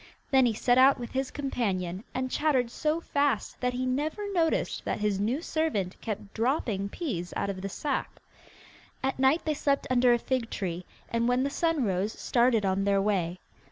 Then he set out with his companion, and chattered so fast that he never noticed that his new servant kept dropping peas out of the sack. At night they slept under a fig tree, and when the sun rose started on their way.